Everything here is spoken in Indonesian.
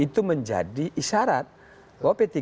kita mengingatkan kepada pak rawi